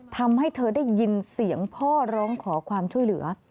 ทำให้เธอได้ยินเสียงพ่อร้องขอความช่วยเหลือ